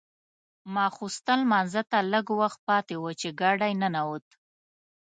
ماخوستن لمانځه ته لږ وخت پاتې و چې ګاډی ننوت.